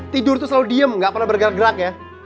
tidur tuh selalu diem gapernah bergerak gerak ya